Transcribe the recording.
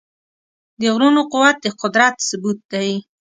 د غرونو قوت د قدرت ثبوت دی.